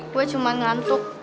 gue cuma ngantuk